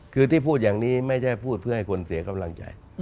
คือที่พูดอย่างนี้ไม่ใช่พูดเพื่อให้คนเสียกำลังใจ